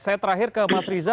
saya terakhir ke mas riza